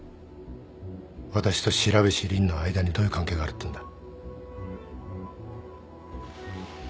私と白菱凜の間にどういう関係があるっていうんだ。